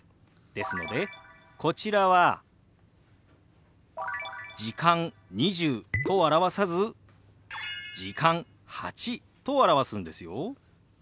ですのでこちらは「時間」「２０」と表さず「時間」「８」と表すんですよ。